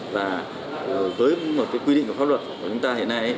và với một cái quy định của pháp luật của chúng ta hiện nay